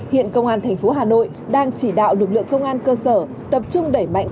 hiện công an tp hà nội đang chỉ đạo lực lượng công an cơ sở tập trung đẩy mạnh